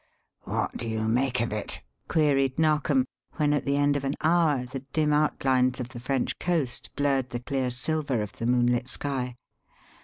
"What do you make of it?" queried Narkom, when at the end of an hour the dim outlines of the French coast blurred the clear silver of the moonlit sky.